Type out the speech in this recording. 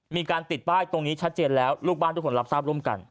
มีการติดป้ายตรงนี้ชัดเจนแล้วลูกบ้านทุกคนรับทราบร่วมกัน